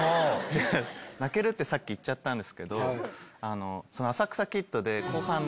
泣けるってさっき言っちゃったんですけど。